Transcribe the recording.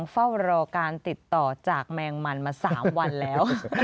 เฝ้ารอการติดต่อจากแมงมันมา๓วันแล้ว